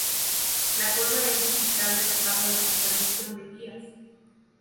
La cueva es visitable bajo la supervisión de guías.